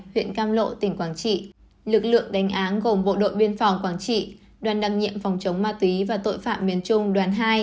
huyện cam lộ tỉnh quảng trị lực lượng đánh án gồm bộ đội biên phòng quảng trị đoàn đăng nhiệm phòng chống ma túy và tội phạm miền trung đoàn hai